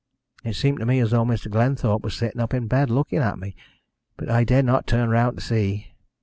It seemed to me as though Mr. Glenthorpe was sitting up in bed looking at me, but I dared not turn round to see.